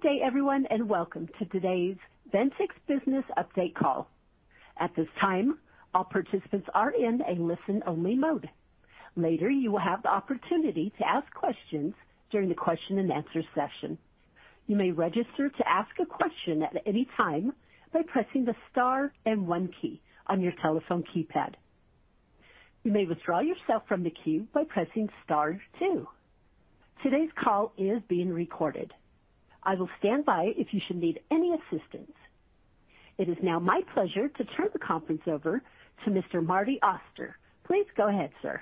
Good day, everyone, and welcome to today's Ventyx business update call. At this time, all participants are in a listen-only mode. Later, you will have the opportunity to ask questions during the question-and-answer session. You may register to ask a question at any time by pressing the star and one key on your telephone keypad. You may withdraw yourself from the queue by pressing star two. Today's call is being recorded. I will stand by if you should need any assistance. It is now my pleasure to turn the conference over to Mr. Marty Auster. Please go ahead, sir.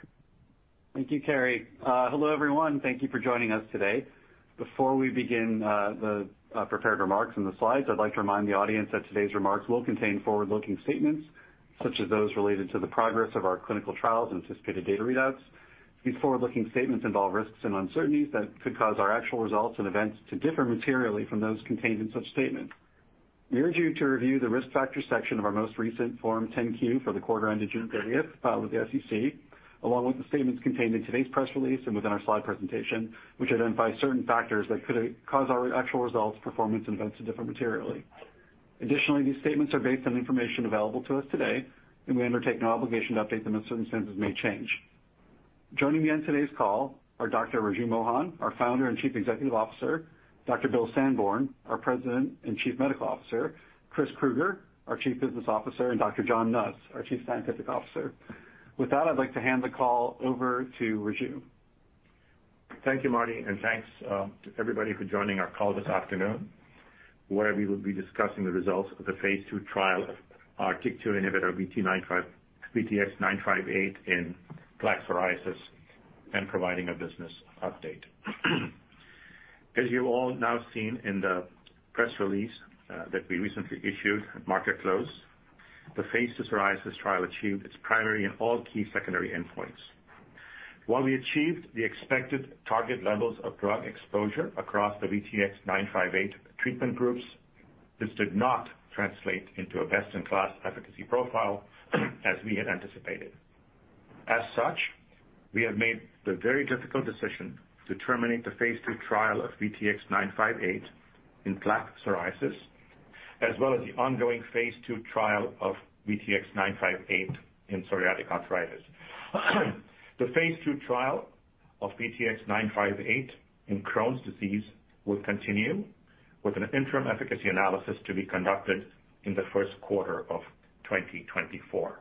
Thank you, Carrie. Hello, everyone. Thank you for joining us today. Before we begin, the prepared remarks and the slides, I'd like to remind the audience that today's remarks will contain forward-looking statements, such as those related to the progress of our clinical trials and anticipated data readouts. These forward-looking statements involve risks and uncertainties that could cause our actual results and events to differ materially from those contained in such statements. We urge you to review the Risk Factors section of our most recent Form 10-Q for the quarter ended June 30th, filed with the SEC, along with the statements contained in today's press release and within our slide presentation, which identify certain factors that could cause our actual results, performance, and events to differ materially. Additionally, these statements are based on information available to us today, and we undertake no obligation to update them as circumstances may change. Joining me on today's call are Dr. Raju Mohan, our Founder and Chief Executive Officer, Dr. Bill Sandborn, our President and Chief Medical Officer, Chris Krueger, our Chief Business Officer, and Dr. John Nuss, our Chief Scientific Officer. With that, I'd like to hand the call over to Raju. Thank you, Marty, and thanks to everybody for joining our call this afternoon, where we will be discussing the results of the phase II trial of our TYK2 inhibitor, VTX958 in plaque psoriasis and providing a business update. As you've all now seen in the press release that we recently issued at market close, the phase II psoriasis trial achieved its primary and all key secondary endpoints. While we achieved the expected target levels of drug exposure across the VTX958 treatment groups, this did not translate into a best-in-class efficacy profile, as we had anticipated. As such, we have made the very difficult decision to terminate the phase II trial of VTX958 in plaque psoriasis, as well as the ongoing phase II trial of VTX958 in psoriatic arthritis. The phase II trial of VTX958 in Crohn's disease will continue, with an interim efficacy analysis to be conducted in the first quarter of 2024.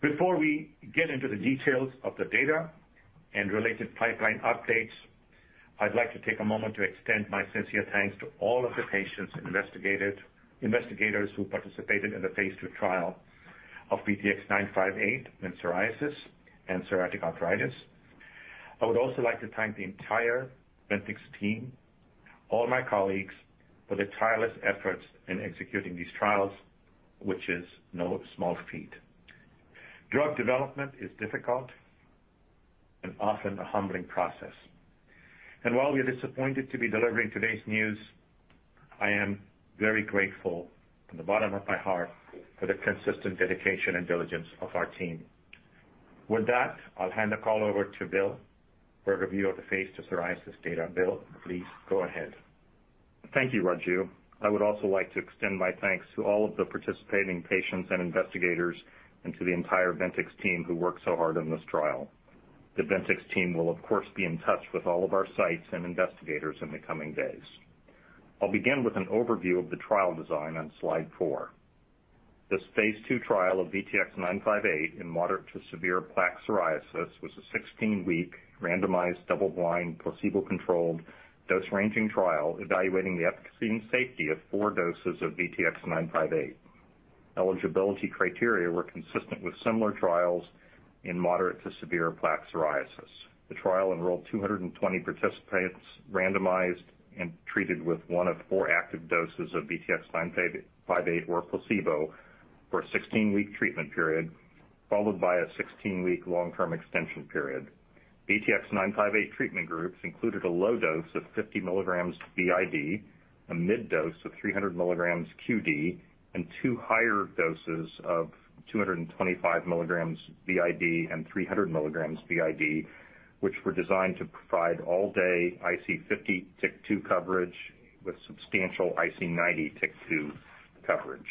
Before we get into the details of the data and related pipeline updates, I'd like to take a moment to extend my sincere thanks to all of the patients, investigators who participated in the phase II trial of VTX958 in psoriasis and psoriatic arthritis. I would also like to thank the entire Ventyx team, all my colleagues, for their tireless efforts in executing these trials, which is no small feat. Drug development is difficult and often a humbling process. And while we are disappointed to be delivering today's news, I am very grateful from the bottom of my heart for the consistent dedication and diligence of our team. With that, I'll hand the call over to Bill for a review of the phase II psoriasis data. Bill, please go ahead. Thank you, Raju. I would also like to extend my thanks to all of the participating patients and investigators and to the entire Ventyx team who worked so hard on this trial. The Ventyx team will, of course, be in touch with all of our sites and investigators in the coming days. I'll begin with an overview of the trial design on slide four. This phase II trial of VTX958 in moderate to severe plaque psoriasis was a 16-week, randomized, double-blind, placebo-controlled dose-ranging trial evaluating the efficacy and safety of four doses of VTX958. Eligibility criteria were consistent with similar trials in moderate to severe plaque psoriasis. The trial enrolled 200 participants, randomized and treated with one of four active doses of VTX958 or placebo for a 16-week treatment period, followed by a 16-week long-term extension period. VTX958 treatment groups included a low dose of 50 mg BID, a mid dose of 300 mg QD, and two higher doses of 225 mg BID and 300 mg BID, which were designed to provide all-day IC50 TYK2 coverage with substantial IC90 TYK2 coverage.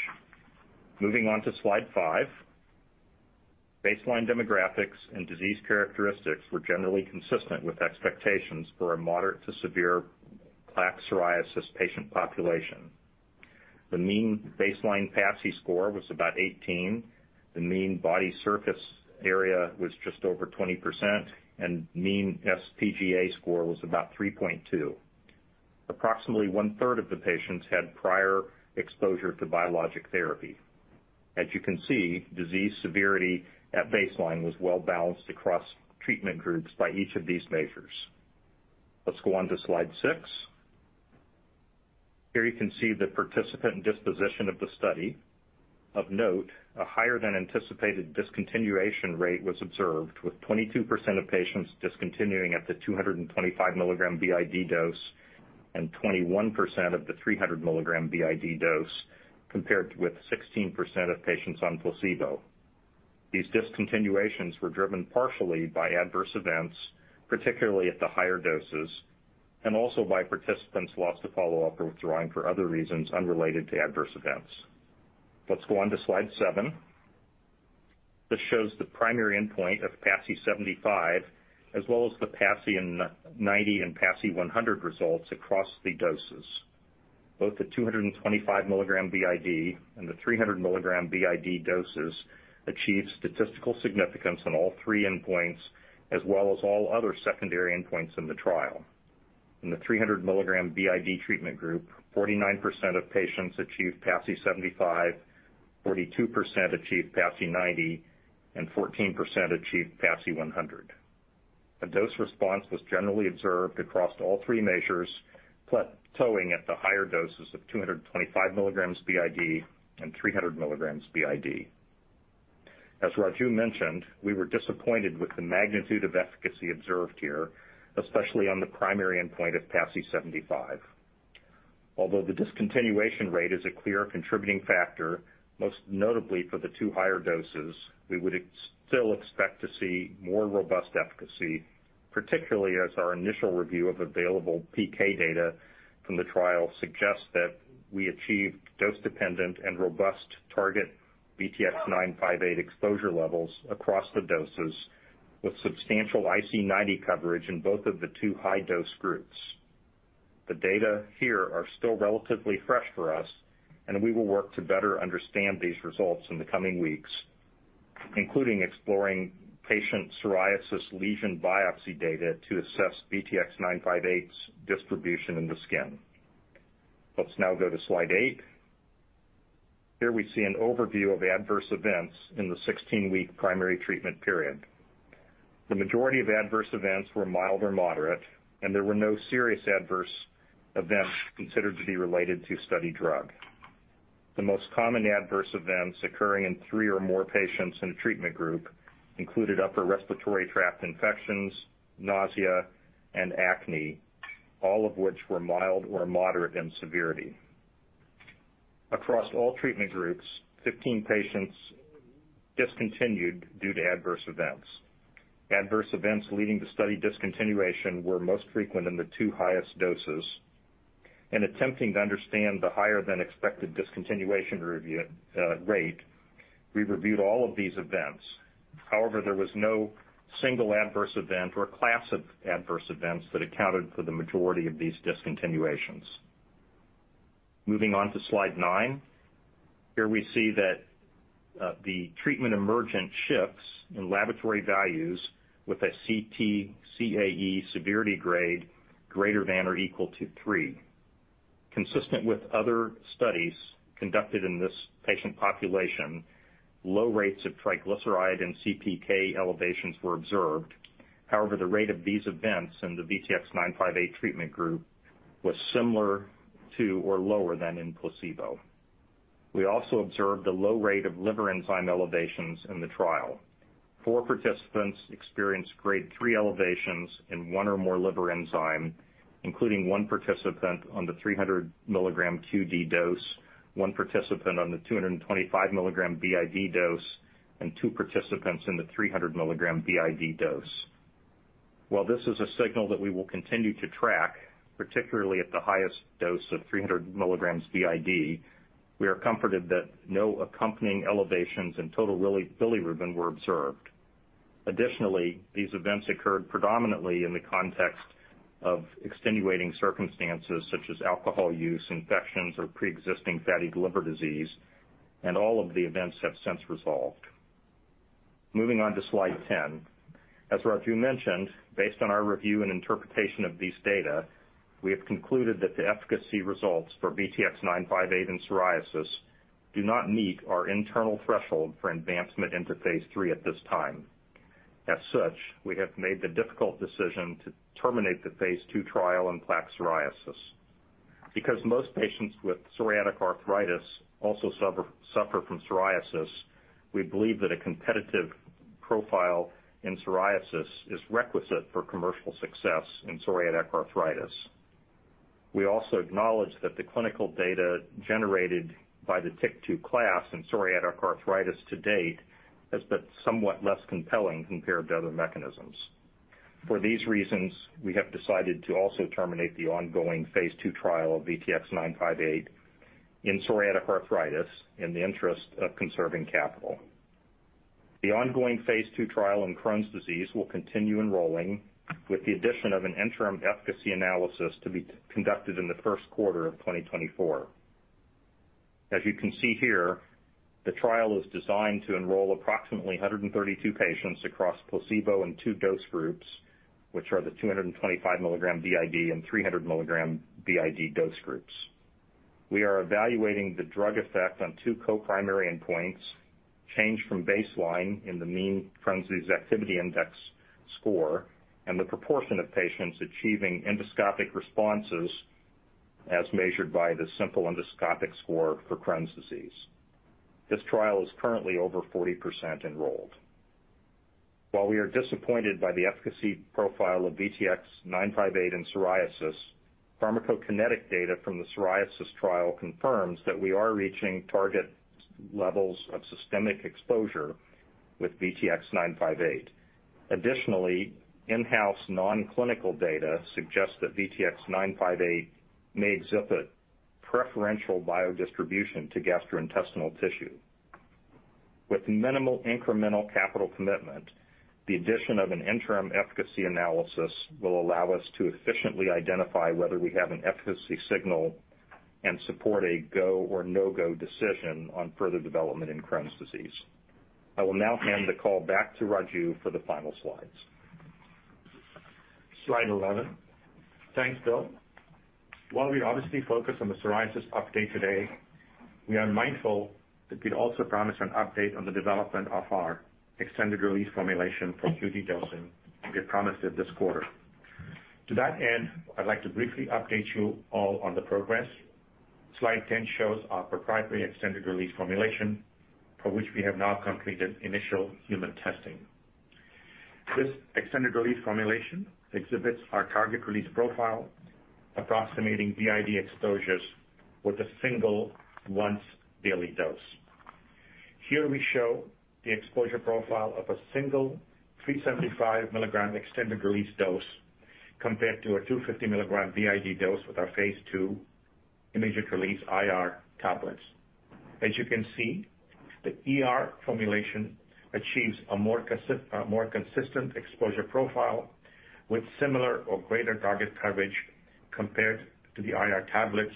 Moving on to slide five. Baseline demographics and disease characteristics were generally consistent with expectations for a moderate to severe plaque psoriasis patient population. The mean baseline PASI score was about 18. The mean body surface area was just over 20%, and mean sPGA score was about 3.2. Approximately 1/3 of the patients had prior exposure to biologic therapy. As you can see, disease severity at baseline was well-balanced across treatment groups by each of these measures. Let's go on to slide six. Here you can see the participants and disposition of the study. Of note, a higher than anticipated discontinuation rate was observed, with 22% of patients discontinuing at the 225 mg BID dose and 21% at the 300 mg BID dose, compared with 16% of patients on placebo. These discontinuations were driven partially by adverse events, particularly at the higher doses, and also by participants lost to follow-up or withdrawing for other reasons unrelated to adverse events. Let's go on to slide seven. This shows the primary endpoint of PASI 75, as well as the PASI 90 and PASI 100 results across the doses. Both the 225 mg BID and the 300 mg BID doses achieved statistical significance on all three endpoints, as well as all other secondary endpoints in the trial. In the 300 mg BID treatment group, 49% of patients achieved PASI 75, 42% achieved PASI 90, and 14% achieved PASI 100. A dose response was generally observed across all three measures, plateauing at the higher doses of 225 mg BID and 300 mg BID. As Raju mentioned, we were disappointed with the magnitude of efficacy observed here, especially on the primary endpoint of PASI 75. Although the discontinuation rate is a clear contributing factor, most notably for the two higher doses, we would still expect to see more robust efficacy, particularly as our initial review of available PK data from the trial suggests that we achieved dose-dependent and robust target VTX958 exposure levels across the doses, with substantial IC90 coverage in both of the two high-dose groups. The data here are still relatively fresh for us, and we will work to better understand these results in the coming weeks, including exploring patient psoriasis lesion biopsy data to assess VTX958's distribution in the skin. Let's now go to slide eight. Here we see an overview of adverse events in the 16-week primary treatment period. The majority of adverse events were mild or moderate, and there were no serious adverse events considered to be related to study drug. The most common adverse events occurring in three or more patients in a treatment group included upper respiratory tract infections, nausea, and acne, all of which were mild or moderate in severity. Across all treatment groups, 15 patients discontinued due to adverse events. Adverse events leading to study discontinuation were most frequent in the two highest doses. In attempting to understand the higher-than-expected discontinuation review rate, we reviewed all of these events. However, there was no single adverse event or class of adverse events that accounted for the majority of these discontinuations. Moving on to slide nine. Here we see that the treatment emergent shifts in laboratory values with a CTCAE severity grade greater than or equal to three. Consistent with other studies conducted in this patient population, low rates of triglyceride and CPK elevations were observed. However, the rate of these events in the VTX958 treatment group was similar to or lower than in placebo. We also observed a low rate of liver enzyme elevations in the trial. Four participants experienced grade 3 elevations in one or more liver enzyme, including one participant on the 300 mg QD dose, one participant on the 225 mg BID dose, and two participants in the 300 mg BID dose. While this is a signal that we will continue to track, particularly at the highest dose of 300 mg BID, we are comforted that no accompanying elevations in total bilirubin were observed. Additionally, these events occurred predominantly in the context of extenuating circumstances such as alcohol use, infections, or preexisting fatty liver disease, and all of the events have since resolved. Moving on to slide 10. As Raju mentioned, based on our review and interpretation of these data, we have concluded that the efficacy results for VTX958 in psoriasis do not meet our internal threshold for advancement into phase III at this time. As such, we have made the difficult decision to terminate the phase II trial in plaque psoriasis. Because most patients with psoriatic arthritis also suffer from psoriasis, we believe that a competitive profile in psoriasis is requisite for commercial success in psoriatic arthritis. We also acknowledge that the clinical data generated by the TYK2 class in psoriatic arthritis to date has been somewhat less compelling compared to other mechanisms. For these reasons, we have decided to also terminate the ongoing phase II trial of VTX958 in psoriatic arthritis in the interest of conserving capital. The ongoing phase II trial in Crohn's disease will continue enrolling, with the addition of an interim efficacy analysis to be conducted in the first quarter of 2024. As you can see here, the trial is designed to enroll approximately 132 patients across placebo and two dose groups, which are the 225 mg BID and 300 mg BID dose groups. We are evaluating the drug effect on two co-primary endpoints, change from baseline in the mean Crohn's Disease Activity Index score, and the proportion of patients achieving endoscopic responses as measured by the Simple Endoscopic Score for Crohn's Disease. This trial is currently over 40% enrolled. While we are disappointed by the efficacy profile of VTX958 in psoriasis, pharmacokinetic data from the psoriasis trial confirms that we are reaching target levels of systemic exposure with VTX958. Additionally, in-house non-clinical data suggests that VTX958 may exhibit preferential biodistribution to gastrointestinal tissue. With minimal incremental capital commitment, the addition of an interim efficacy analysis will allow us to efficiently identify whether we have an efficacy signal and support a go or no-go decision on further development in Crohn's disease. I will now hand the call back to Raju for the final slides. Slide 11. Thanks, Bill. While we obviously focus on the psoriasis update today, we are mindful that we'd also promised an update on the development of our extended-release formulation for QD dosing. We promised it this quarter. To that end, I'd like to briefly update you all on the progress. Slide 10 shows our proprietary extended-release formulation, for which we have now completed initial human testing. This extended-release formulation exhibits our target release profile, approximating BID exposures with a single once-daily dose. Here we show the exposure profile of a single 375 mg extended-release dose compared to a 250 mg BID dose with our phase II immediate-release IR tablets. As you can see, the ER formulation achieves a more consistent exposure profile with similar or greater target coverage compared to the IR tablets,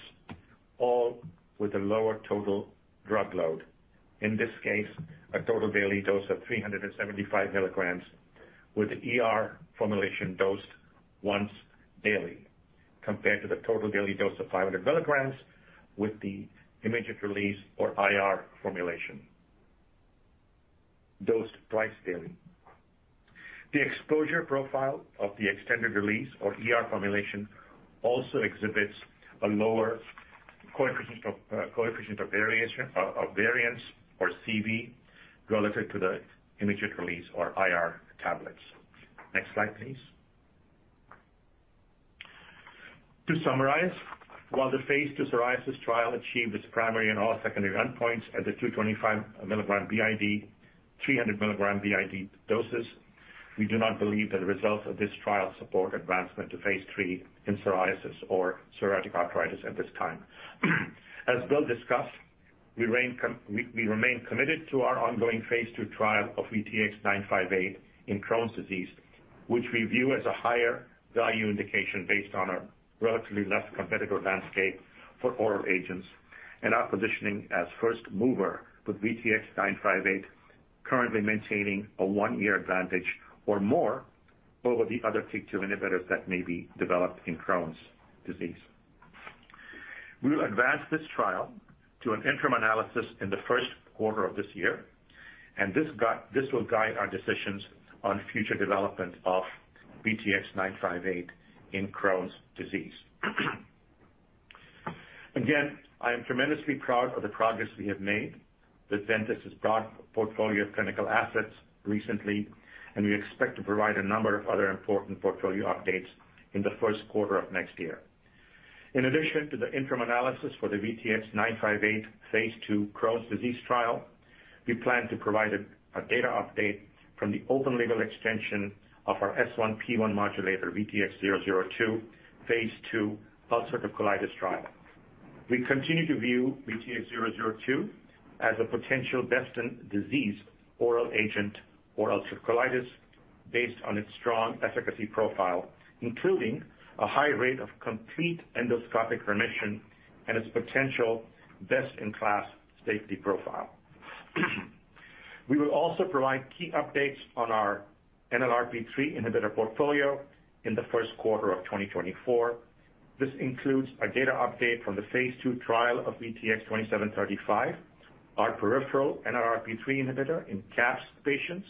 all with a lower total drug load. In this case, a total daily dose of 375 mg, with the ER formulation dosed once daily, compared to the total daily dose of 500 mg, with the immediate release or IR formulation, dosed twice daily. The exposure profile of the extended release or ER formulation also exhibits a lower coefficient of variation, or CV, relative to the immediate release or IR tablets. Next slide, please. To summarize, while the phase II psoriasis trial achieved its primary and all secondary endpoints at the 225 mg BID, 300 mg BID doses, we do not believe that the results of this trial support advancement to phase III in psoriasis or psoriatic arthritis at this time. As Bill discussed, we remain committed to our ongoing phase II trial of VTX958 in Crohn's disease, which we view as a higher value indication based on a relatively less competitive landscape for oral agents and our positioning as first mover, with VTX958 currently maintaining a one-year advantage or more over the other TYK2 inhibitors that may be developed in Crohn's disease. We will advance this trial to an interim analysis in the first quarter of this year, and this will guide our decisions on future development of VTX958 in Crohn's disease. Again, I am tremendously proud of the progress we have made with Ventyx's broad portfolio of clinical assets recently, and we expect to provide a number of other important portfolio updates in the first quarter of next year. In addition to the interim analysis for the VTX958 phase II Crohn's disease trial, we plan to provide a data update from the open-label extension of our S1P1 modulator, VTX002, phase II ulcerative colitis trial. We continue to view VTX002 as a potential best-in-disease oral agent for ulcerative colitis based on its strong efficacy profile, including a high rate of complete endoscopic remission and its potential best-in-class safety profile. We will also provide key updates on our NLRP3 inhibitor portfolio in the first quarter of 2024. This includes a data update from the phase II trial of VTX2735, our peripheral NLRP3 inhibitor in CAPS patients.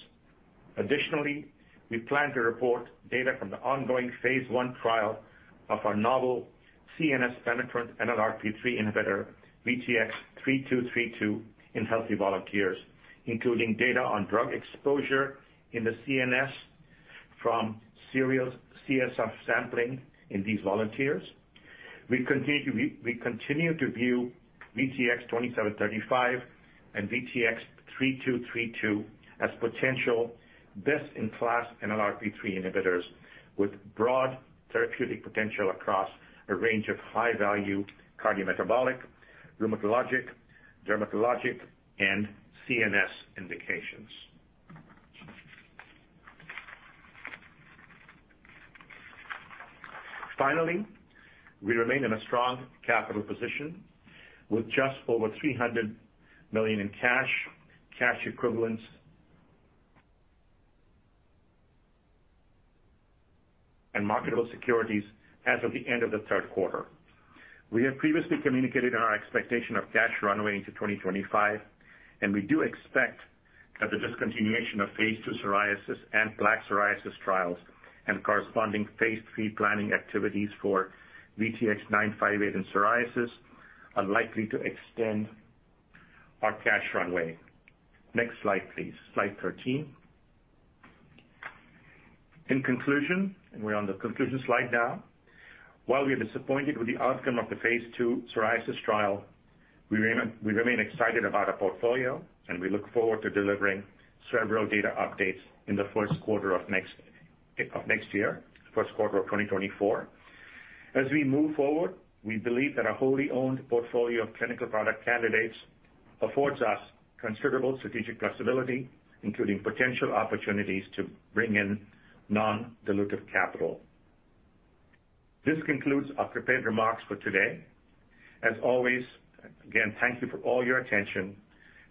Additionally, we plan to report data from the ongoing phase I trial of our novel CNS-penetrant NLRP3 inhibitor, VTX3232, in healthy volunteers, including data on drug exposure in the CNS from serial CSF sampling in these volunteers. We continue to view VTX2735 and VTX3232 as potential best-in-class NLRP3 inhibitors with broad therapeutic potential across a range of high-value cardiometabolic, rheumatologic, dermatologic, and CNS indications. Finally, we remain in a strong capital position, with just over $300 million in cash, cash equivalents, and marketable securities as of the end of the third quarter. We have previously communicated our expectation of cash runway into 2025, and we do expect that the discontinuation of phase II psoriasis and plaque psoriasis trials and corresponding phase III planning activities for VTX958 in psoriasis are likely to extend our cash runway. Next slide, please. Slide 13. In conclusion, and we're on the conclusion slide now. While we are disappointed with the outcome of the phase II psoriasis trial, we remain excited about our portfolio, and we look forward to delivering several data updates in the first quarter of next year, first quarter of 2024. As we move forward, we believe that our wholly owned portfolio of clinical product candidates affords us considerable strategic flexibility, including potential opportunities to bring in non-dilutive capital. This concludes our prepared remarks for today. As always, again, thank you for all your attention.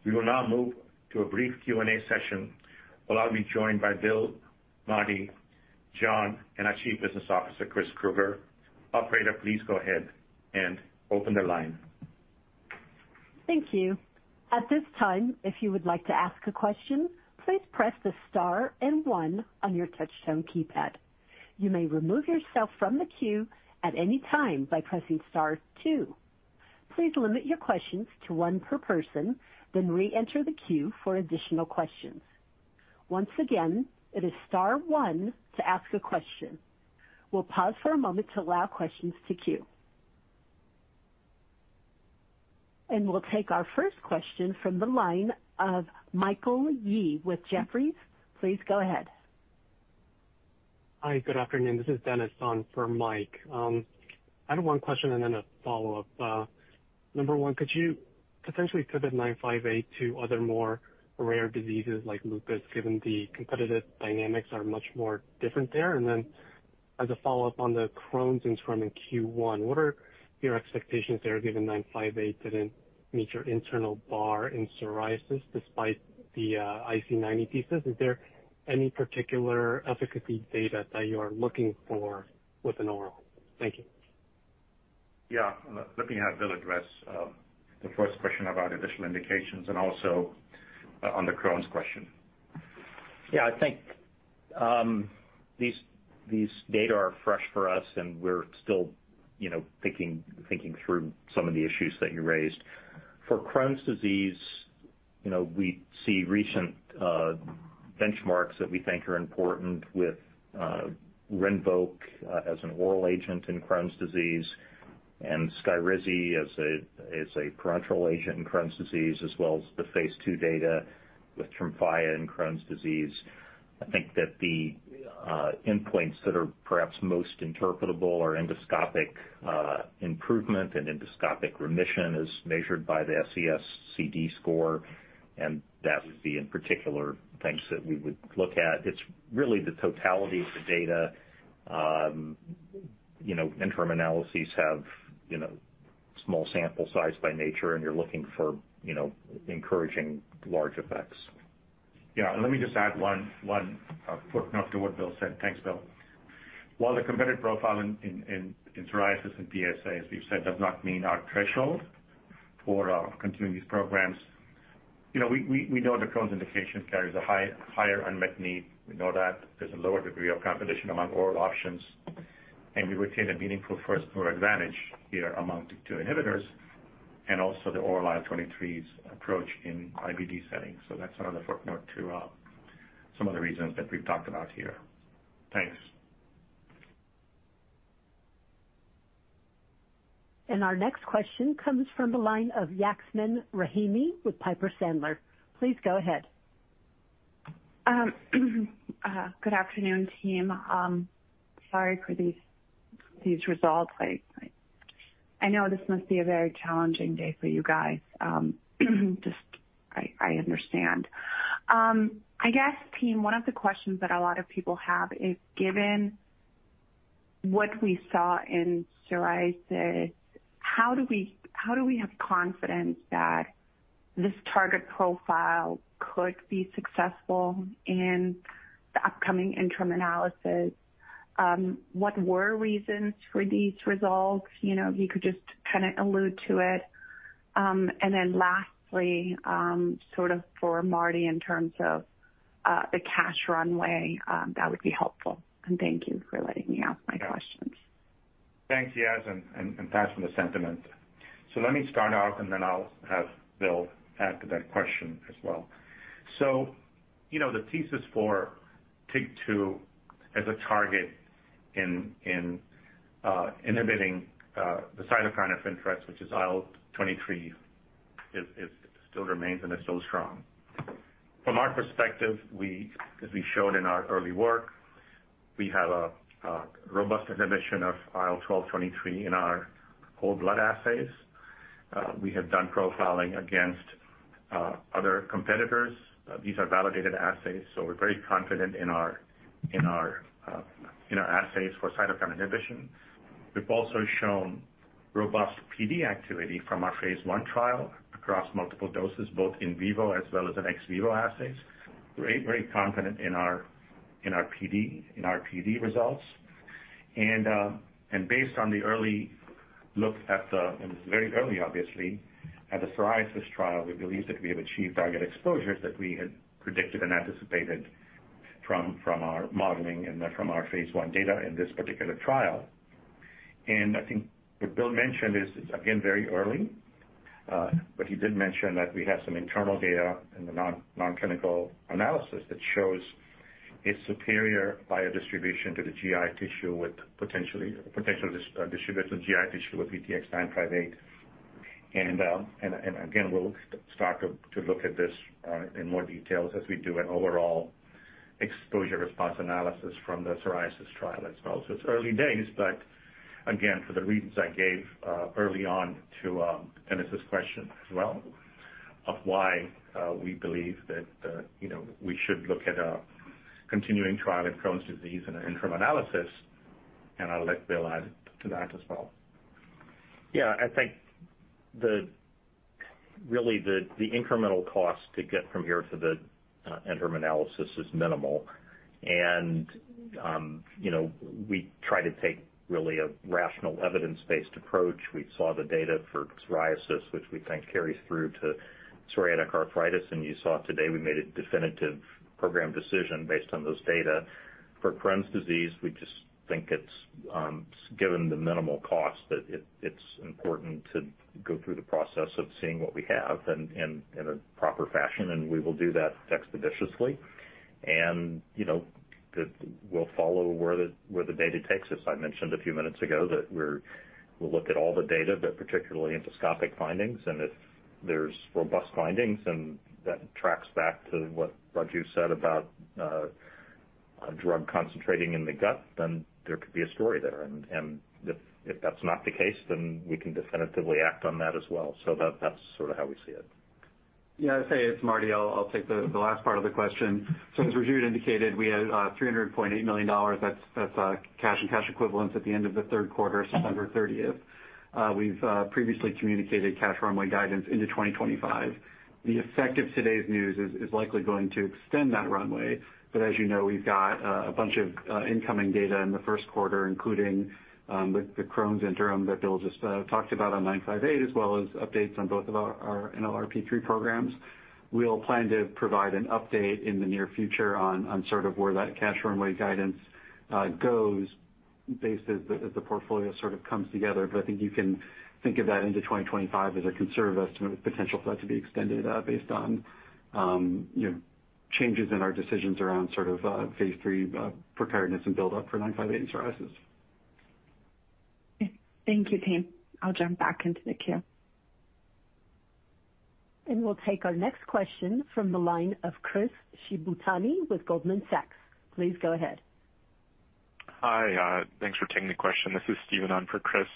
We will now move to a brief Q&A session. Well, I'll be joined by Bill, Marty, John, and our Chief Business Officer, Chris Krueger. Operator, please go ahead and open the line. Thank you. At this time, if you would like to ask a question, please press the star and one on your touchtone keypad. You may remove yourself from the queue at any time by pressing star two. Please limit your questions to one per person, then reenter the queue for additional questions. Once again, it is star one to ask a question. We'll pause for a moment to allow questions to queue. And we'll take our first question from the line of Michael Yee with Jefferies. Please go ahead. Hi, good afternoon. This is Dennis on for Mike. I had one question and then a follow-up. Number one, could you potentially pivot 958 to other more rare diseases like lupus, given the competitive dynamics are much more different there? And then, as a follow-up on the Crohn's interim in Q1, what are your expectations there, given 958 didn't meet your internal bar in psoriasis despite the IC90 thesis? Is there any particular efficacy data that you are looking for with an oral? Thank you. Yeah, let me have Bill address the first question about additional indications and also on the Crohn's question. Yeah, I think, these, these data are fresh for us, and we're still, you know, thinking, thinking through some of the issues that you raised. For Crohn's disease, you know, we see recent benchmarks that we think are important with Rinvoq as an oral agent in Crohn's disease and Skyrizi as a, as a parenteral agent in Crohn's disease, as well as the phase II data with Tremfya in Crohn's disease. I think that the endpoints that are perhaps most interpretable are endoscopic improvement and endoscopic remission, as measured by the SES-CD score, and that would be in particular things that we would look at. It's really the totality of the data. You know, interim analyses have, you know, small sample size by nature, and you're looking for, you know, encouraging large effects. Yeah, and let me just add one footnote to what Bill said. Thanks, Bill. While the competitive profile in psoriasis and PsA, as we've said, does not mean our threshold for continuing these programs, you know, we know the Crohn's indication carries a higher unmet need. We know that there's a lower degree of competition among oral options, and we retain a meaningful first-order advantage here among the two inhibitors and also the oral IL-23's approach in IBD settings. So that's another footnote to some of the reasons that we've talked about here. Thanks. Our next question comes from the line of Yasmeen Rahimi with Piper Sandler. Please go ahead. Good afternoon, team. Sorry for these results. I know this must be a very challenging day for you guys. I understand. I guess, team, one of the questions that a lot of people have is, given what we saw in psoriasis, how do we have confidence that this target profile could be successful in the upcoming interim analysis? What were the reasons for these results? You know, if you could just kinda allude to it. And then lastly, sort of for Marty in terms of the cash runway, that would be helpful. And thank you for letting me ask my questions. Thanks, Yasmeen, and thanks for the sentiment. So let me start off, and then I'll have Bill add to that question as well. So you know, the thesis for TYK2 as a target in inhibiting the cytokine of interest, which is IL-23, is still remains, and it's still strong. From our perspective, we, as we showed in our early work, we have a robust inhibition of IL-12/23 in our whole blood assays. We have done profiling against other competitors. These are validated assays, so we're very confident in our assays for cytokine inhibition. We've also shown robust PD activity from our phase I trial across multiple doses, both in vivo as well as in ex vivo assays. We're very confident in our PD results. And based on the early look at the, and this is very early, obviously, at the psoriasis trial, we believe that we have achieved target exposures that we had predicted and anticipated from our modeling and from our phase I data in this particular trial. And I think what Bill mentioned is, again, very early, but he did mention that we have some internal data in the nonclinical analysis that shows it's superior biodistribution to the GI tissue with potential distribution to GI tissue with VTX958. And again, we'll start to look at this in more details as we do an overall exposure response analysis from the psoriasis trial as well. So it's early days, but again, for the reasons I gave early on to Dennis's question as well, of why we believe that you know we should look at a continuing trial in Crohn's disease and an interim analysis, and I'll let Bill add to that as well. Yeah. I think really the incremental cost to get from here to the interim analysis is minimal. And you know, we try to take really a rational, evidence-based approach. We saw the data for Psoriasis, which we think carries through to Psoriatic Arthritis, and you saw today we made a definitive program decision based on those data. For Crohn's Disease, we just think it's given the minimal cost that it's important to go through the process of seeing what we have and in a proper fashion, and we will do that expeditiously. And you know, we'll follow where the data takes us. I mentioned a few minutes ago that we'll look at all the data, but particularly endoscopic findings, and if there's robust findings and that tracks back to what Raju said about a drug concentrating in the gut, then there could be a story there. And if that's not the case, then we can definitively act on that as well. So that's sort of how we see it. Yeah, I'd say it's Marty. I'll, I'll take the, the last part of the question. So as Raju indicated, we had $300.8 million. That's, that's, cash and cash equivalents at the end of the third quarter, September 30. We've previously communicated cash runway guidance into 2025. The effect of today's news is, is likely going to extend that runway, but as you know, we've got a bunch of incoming data in the first quarter, including with the Crohn's interim that Bill just talked about on 958, as well as updates on both of our NLRP3 programs. We'll plan to provide an update in the near future on sort of where that cash runway guidance goes based as the portfolio sort of comes together. But I think you can think of that into 2025 as a conservative estimate, with potential for that to be extended, based on, you know, changes in our decisions around sort of, phase III preparedness and buildup for 958 in psoriasis. Thank you, team. I'll jump back into the queue. We'll take our next question from the line of Chris Shibutani with Goldman Sachs. Please go ahead. Hi, thanks for taking the question. This is Stephen on for Chris.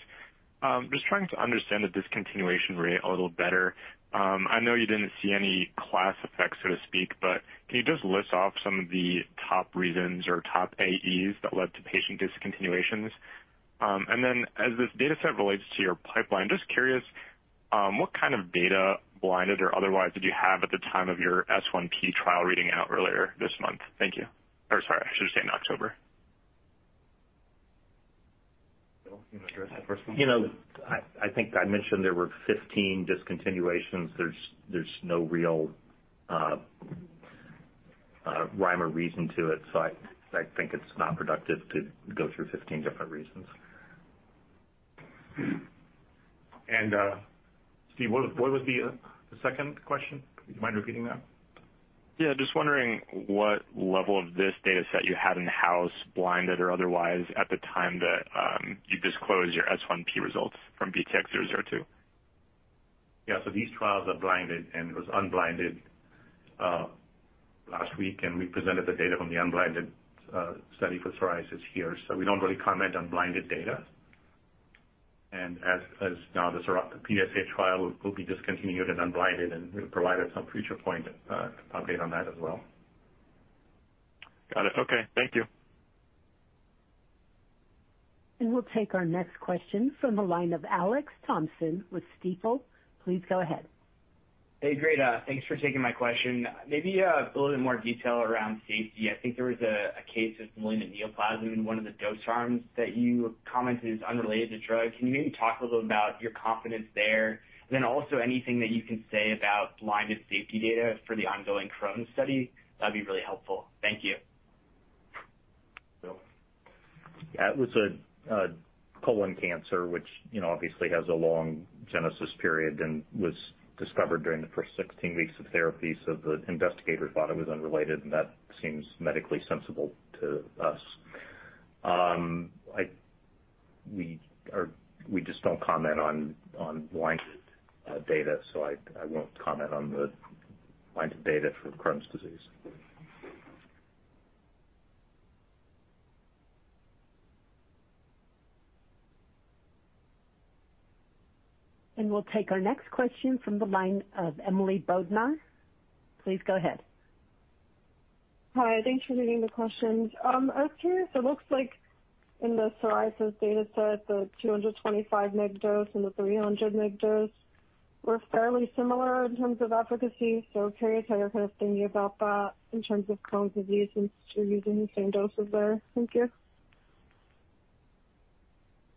Just trying to understand the discontinuation rate a little better. I know you didn't see any class effects, so to speak, but can you just list off some of the top reasons or top AEs that led to patient discontinuations? And then as this data set relates to your pipeline, just curious, what kind of data, blinded or otherwise, did you have at the time of your S1P trial reading out earlier this month? Thank you. Or sorry, I should say in October. Bill, you want to address that first one? You know, I think I mentioned there were 15 discontinuations. There's no real, uh, rhyme or reason to it, so I think it's not productive to go through 15 different reasons. Steve, what was the second question? Would you mind repeating that? Yeah, just wondering what level of this data set you had in-house, blinded or otherwise, at the time that you disclosed your S1P results from VTX002. Yeah. So these trials are blinded, and it was unblinded last week, and we presented the data from the unblinded study for psoriasis here. So we don't really comment on blinded data. And as now, the PsA trial will be discontinued and unblinded, and we'll provide at some future point update on that as well. Got it. Okay. Thank you. And we'll take our next question from the line of Alex Thompson with Stifel. Please go ahead. Hey, great. Thanks for taking my question. Maybe, a little bit more detail around safety. I think there was a case of malignant neoplasm in one of the dose arms that you commented is unrelated to drug. Can you maybe talk a little about your confidence there? And then also, anything that you can say about blinded safety data for the ongoing Crohn's study, that'd be really helpful. Thank you. Bill? Yeah, it was a colon cancer, which, you know, obviously has a long genesis period and was discovered during the first 16 weeks of therapy, so the investigator thought it was unrelated, and that seems medically sensible to us. We are, we just don't comment on blinded data, so I won't comment on the blinded data for Crohn's disease. We'll take our next question from the line of Emily Bodnar. Please go ahead. Hi, thanks for taking the questions. I was curious, it looks like in the psoriasis data set, the 225 mg dose and the 300 mg dose were fairly similar in terms of efficacy. So curious how you're kind of thinking about that in terms of Crohn's disease since you're using the same doses there. Thank you.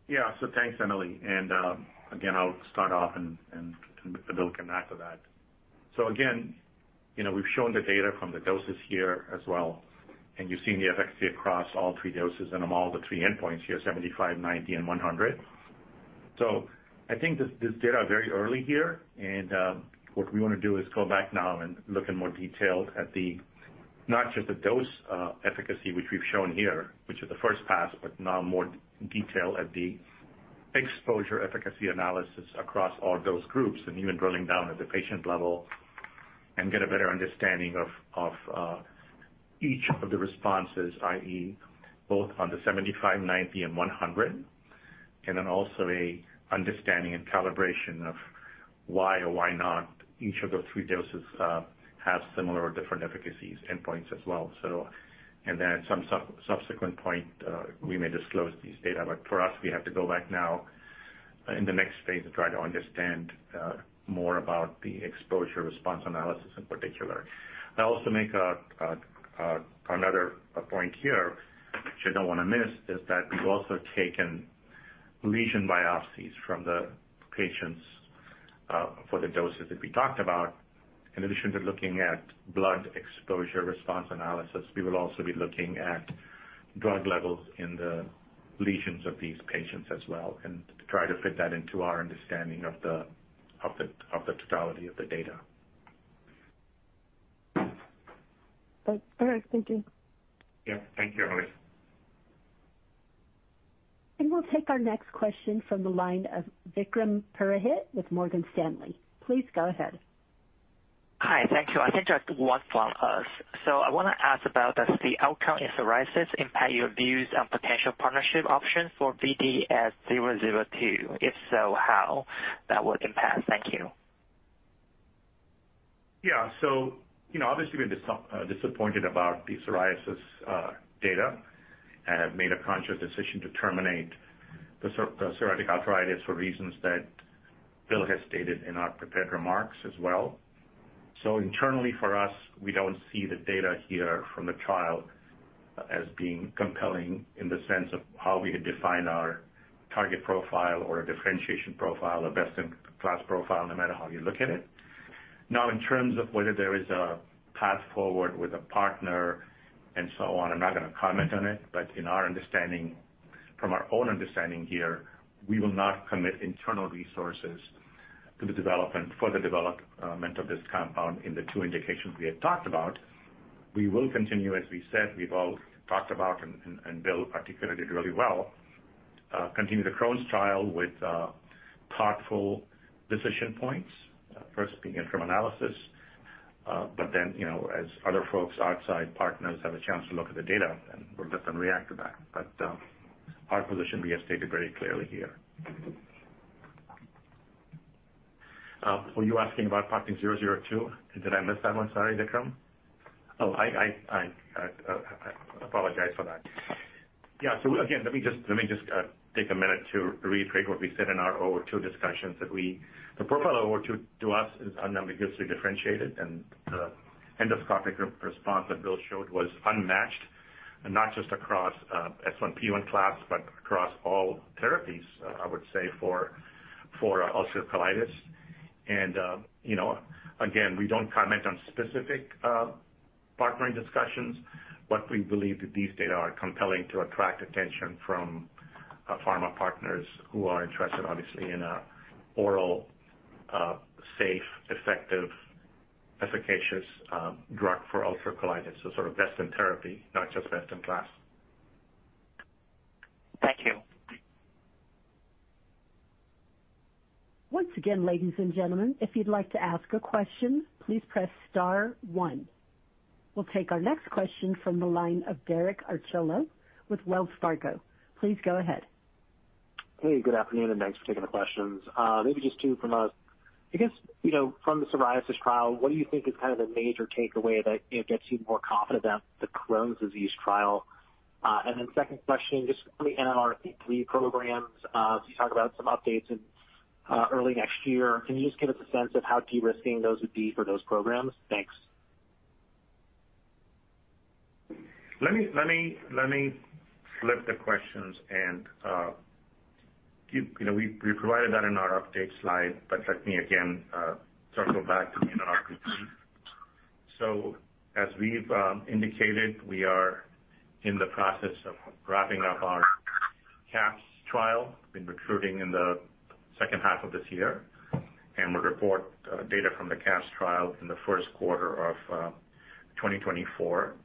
Yeah. So thanks, Emily, and again, I'll start off and Bill can add to that. So again, you know, we've shown the data from the doses here as well, and you've seen the efficacy across all three doses and among all the three endpoints here, 75, 90, and 100. So I think this data are very early here, and what we want to do is go back now and look in more detail at the, not just the dose efficacy, which we've shown here, which is the first pass, but now more detail at the exposure efficacy analysis across all those groups, and even drilling down at the patient level, and get a better understanding of each of the responses, i.e., both on the 75, 90, and 100. Then also an understanding and calibration of why or why not each of the three doses have similar or different efficacy endpoints as well. So, and then at some subsequent point, we may disclose these data, but for us, we have to go back now, in the next phase and try to understand more about the exposure-response analysis in particular. I also make another point here, which I don't want to miss, is that we've also taken lesion biopsies from the patients, for the doses that we talked about. In addition to looking at blood exposure-response analysis, we will also be looking at drug levels in the lesions of these patients as well and try to fit that into our understanding of the totality of the data. Thanks. All right, thank you. Yeah. Thank you, Emily. We'll take our next question from the line of Vikram Purohit with Morgan Stanley. Please go ahead. Hi, thank you. I think just one from us. I want to ask about, does the outcome in psoriasis impact your views on potential partnership options for VTX002? If so, how that would impact? Thank you. Yeah. So, you know, obviously, we're disappointed about the psoriasis data and have made a conscious decision to terminate the psoriatic arthritis for reasons that Bill has stated in our prepared remarks as well. So internally for us, we don't see the data here from the trial as being compelling in the sense of how we had defined our target profile or a differentiation profile, a best-in-class profile, no matter how you look at it. Now, in terms of whether there is a path forward with a partner and so on, I'm not going to comment on it, but in our understanding, from our own understanding here, we will not commit internal resources to the development, for the development of this compound in the two indications we had talked about. We will continue, as we said, we've all talked about and, and, and Bill articulated really well, continue the Crohn's trial with thoughtful decision points, first beginning from analysis. But then, you know, as other folks, outside partners, have a chance to look at the data, and we'll let them react to that. But, our position, we have stated very clearly here. Were you asking about partnering VTX002? Did I miss that one, sorry, Vikram? Oh, I apologize for that. Yeah. So again, let me just take a minute to reiterate what we said in our VTX002 discussions, that we—the profile VTX002 to us is unambiguously differentiated, and the endoscopic response that Bill showed was unmatched, and not just across S1P1 class, but across all therapies, I would say, for ulcerative colitis. And you know, again, we don't comment on specific partnering discussions, but we believe that these data are compelling to attract attention from pharma partners who are interested, obviously, in an oral safe, effective, efficacious drug for ulcerative colitis. So sort of best in therapy, not just best in class. Thank you. Once again, ladies and gentlemen, if you'd like to ask a question, please press star one. We'll take our next question from the line of Derek Archila with Wells Fargo. Please go ahead. Hey, good afternoon, and thanks for taking the questions. Maybe just two from us. I guess, you know, from the psoriasis trial, what do you think is kind of the major takeaway that, you know, gets you more confident about the Crohn's disease trial? And then second question, just on the NLRP3 programs, so you talked about some updates in early next year. Can you just give us a sense of how de-risking those would be for those programs? Thanks. Let me flip the questions and give... You know, we provided that in our update slide, but let me again circle back to NLRP3. So as we've indicated, we are in the process of wrapping up our CAPS trial, been recruiting in the second half of this year, and we'll report data from the CAPS trial in the first quarter of 2024.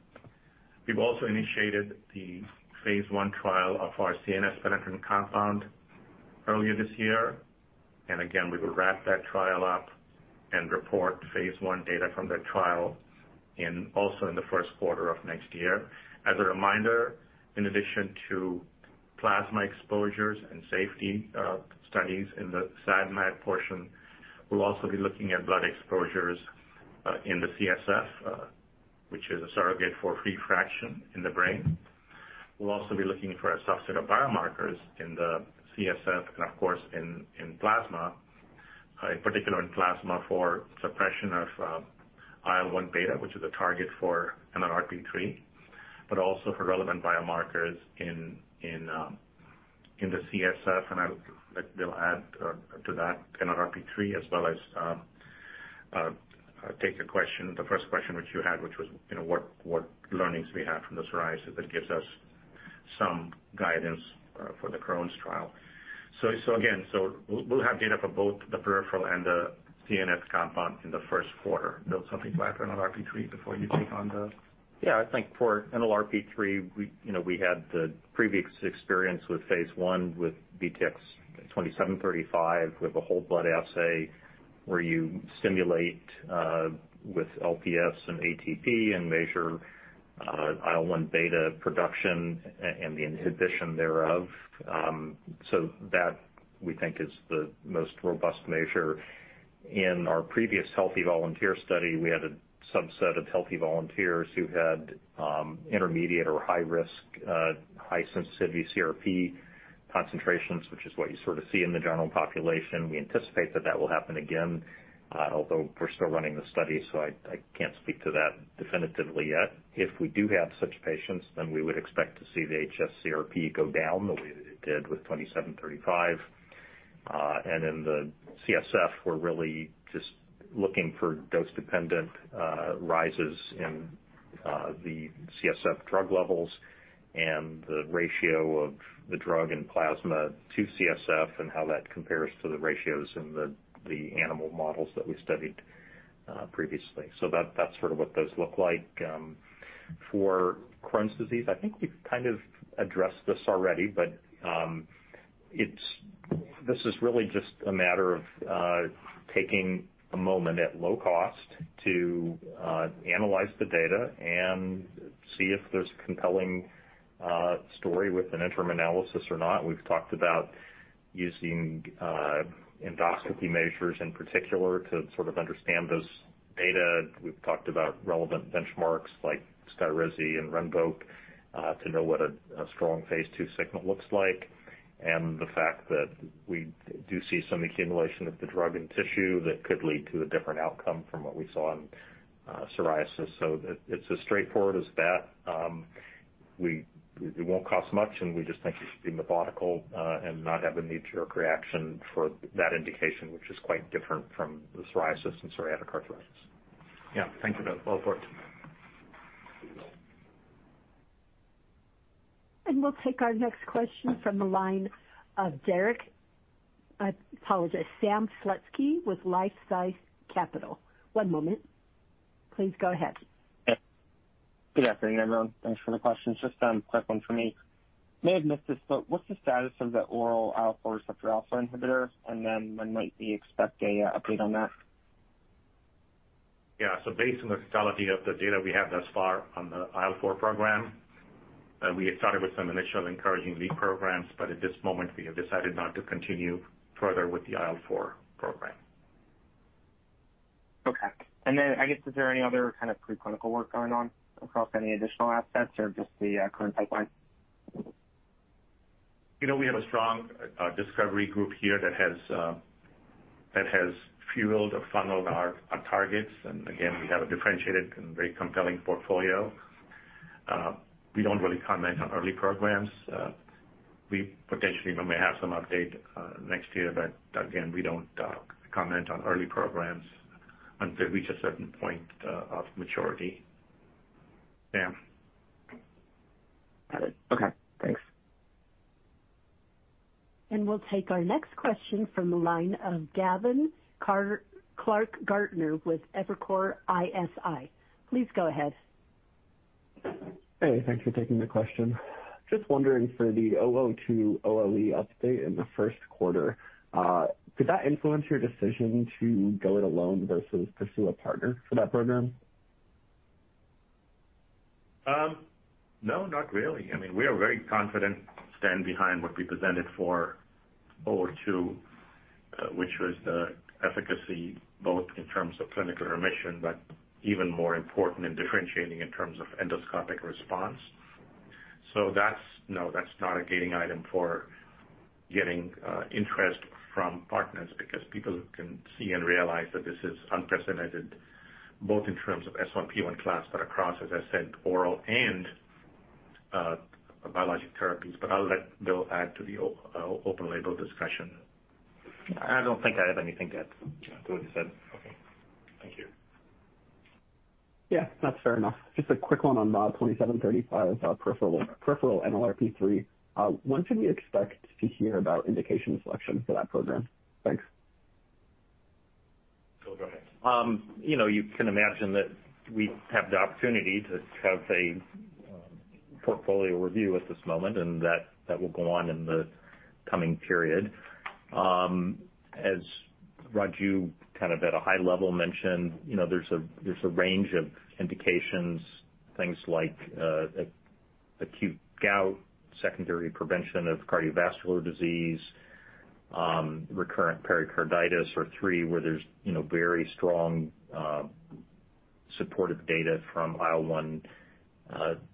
We've also initiated the phase I trial of our CNS-penetrant compound earlier this year, and again, we will wrap that trial up and report phase I data from the trial in also in the first quarter of next year. As a reminder, in addition to plasma exposures and safety studies in the SAD/MAD portion, we'll also be looking at blood exposures in the CSF, which is a surrogate for free fraction in the brain. We'll also be looking for a subset of biomarkers in the CSF and, of course, in plasma, in particular in plasma for suppression of IL-1 beta, which is a target for NLRP3, but also for relevant biomarkers in the CSF, and I'll let Bill add to that NLRP3, as well as take a question, the first question which you had, which was, you know, what learnings we have from the psoriasis that gives us some guidance for the Crohn's trial. So again, we'll have data for both the peripheral and the CNS compound in the first quarter. Bill, something to add for NLRP3 before you take on the- Yeah, I think for NLRP3, we, you know, we had the previous experience with phase I, with VTX2735, with a whole blood assay where you stimulate with LPS and ATP and measure IL-1 beta production and the inhibition thereof. So that, we think, is the most robust measure. In our previous healthy volunteer study, we had a subset of healthy volunteers who had intermediate or high risk high sensitivity CRP concentrations, which is what you sort of see in the general population. We anticipate that that will happen again, although we're still running the study, so I can't speak to that definitively yet. If we do have such patients, then we would expect to see the hs-CRP go down the way that it did with VTX2735. In the CSF, we're really just looking for dose-dependent rises in the CSF drug levels and the ratio of the drug and plasma to CSF and how that compares to the ratios in the animal models that we studied previously. So that, that's sort of what those look like. For Crohn's disease, I think we've kind of addressed this already, but, it's... This is really just a matter of taking a moment at low cost to analyze the data and see if there's a compelling story with an interim analysis or not. We've talked about using endoscopy measures in particular to sort of understand this data. We've talked about relevant benchmarks like Skyrizi and Rinvoq to know what a strong phase II signal looks like, and the fact that we do see some accumulation of the drug in tissue that could lead to a different outcome from what we saw in psoriasis. So it's as straightforward as that. It won't cost much, and we just think it should be methodical and not have a knee-jerk reaction for that indication, which is quite different from the psoriasis and psoriatic arthritis. Yeah. Thank you, Bill. Well forward. We'll take our next question from the line of Derek. I apologize, Sam Slutsky with LifeSci Capital. One moment. Please go ahead. Good afternoon, everyone. Thanks for the question. Just a quick one for me. May have missed this, but what's the status of the oral IL-4 receptor alpha inhibitor, and then when might we expect a update on that? Yeah. So based on the totality of the data we have thus far on the IL-4 program, we had started with some initial encouraging lead programs, but at this moment, we have decided not to continue further with the IL-4 program. Okay. And then, I guess, is there any other kind of preclinical work going on across any additional assets or just the current pipeline? You know, we have a strong discovery group here that has fueled or funneled our targets, and again, we have a differentiated and very compelling portfolio. We don't really comment on early programs. We potentially may have some update next year, but again, we don't comment on early programs until we reach a certain point of maturity. Sam? Got it. Okay, thanks. We'll take our next question from the line of Gavin Clark-Gartner with Evercore ISI. Please go ahead. Hey, thanks for taking the question. Just wondering, for the VTX002 update in the first quarter, could that influence your decision to go it alone versus pursue a partner for that program? No, not really. I mean, we are very confident stand behind what we presented for VTX002, which was the efficacy, both in terms of clinical remission, but even more important in differentiating in terms of endoscopic response. So that's... No, that's not a gating item for getting interest from partners because people can see and realize that this is unprecedented, both in terms of S1P1 class, but across, as I said, oral and biologic therapies. But I'll let Bill add to the open label discussion. I don't think I have anything to add to what you said. Okay. Thank you. Yeah, that's fair enough. Just a quick one on VTX2735, peripheral, peripheral NLRP3. When should we expect to hear about indication selection for that program? Thanks. Bill, go ahead. You know, you can imagine that we have the opportunity to have a portfolio review at this moment, and that, that will go on in the coming period. As Raju, kind of at a high level, mentioned, you know, there's a range of indications, things like acute gout, secondary prevention of cardiovascular disease, recurrent pericarditis, or three, where there's, you know, very strong supportive data from IL-1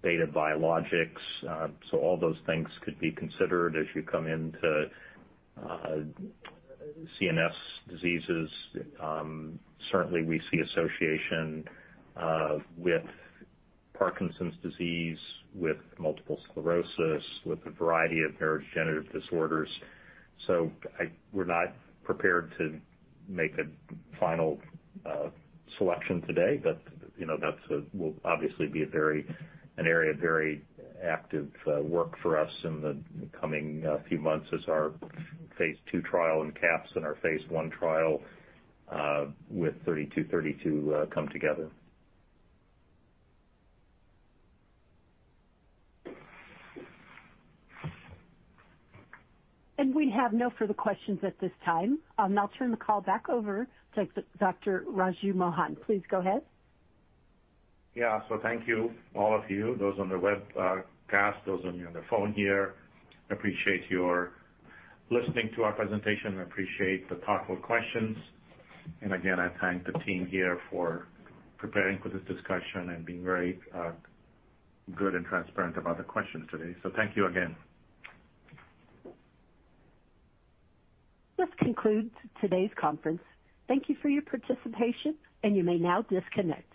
beta biologics. So all those things could be considered as you come into CNS diseases. Certainly, we see association with Parkinson's disease, with multiple sclerosis, with a variety of neurodegenerative disorders. So we're not prepared to make a final selection today, but you know, that's will obviously be a very an area of very active work for us in the coming few months as our phase II trial and CAPS in our phase I trial with 3232 come together. We have no further questions at this time. I'll now turn the call back over to Dr. Raju Mohan. Please go ahead. Yeah, so thank you, all of you, those on the webcast, those on the phone here. Appreciate your listening to our presentation. Appreciate the thoughtful questions. And again, I thank the team here for preparing for this discussion and being very, good and transparent about the questions today. So thank you again. This concludes today's conference. Thank you for your participation, and you may now disconnect.